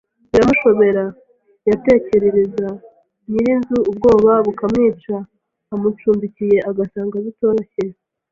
Biramushobera, yatekerereza nyir' inzu ubwoba bukamwica umucumbikiye agasanga bitoroshye